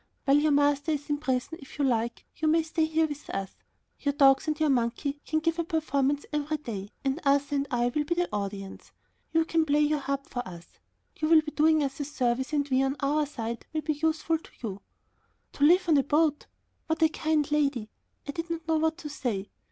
While your master is in prison, if you like, you may stay here with us. Your dogs and your monkey can give a performance every day, and Arthur and I will be the audience. You can play your harp for us. You will be doing us a service and we, on our side, may be useful to you." To live on a boat! What a kind lady. I did not know what to say.